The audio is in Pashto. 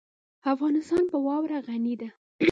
افغانستان په واوره غني دی.